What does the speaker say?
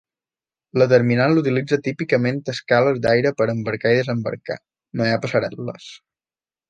La terminal utilitza típicament escales d'aire per a embarcar i desembarcar; no hi ha passarel·les.